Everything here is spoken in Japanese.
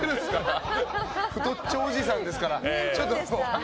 太っちょおじさんですから。